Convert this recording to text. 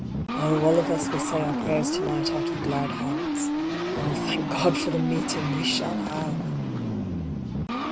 Oh, all of us will say our prayers to night out of glad hearts. Oh, thank God for the meeting we shall have